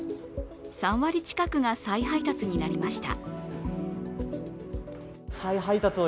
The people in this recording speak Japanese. ３割近くが再配達になりました。